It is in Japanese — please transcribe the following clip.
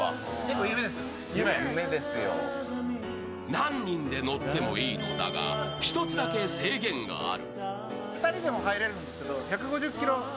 何人でも乗ってもいいんだが、１つだけ制限がある。